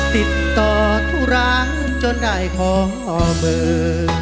ติดต่อทุราคจนได้ขอเบอร์